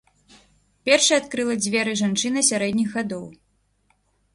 Першай адкрыла дзверы жанчына сярэдніх гадоў.